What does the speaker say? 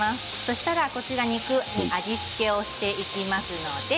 そうしましたら肉に味付けをしていきます。